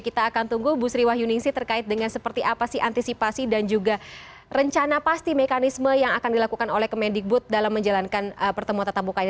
kita akan tunggu bu sri wahyuningsi terkait dengan seperti apa sih antisipasi dan juga rencana pasti mekanisme yang akan dilakukan oleh kemendikbud dalam menjalankan pertemuan tatap muka ini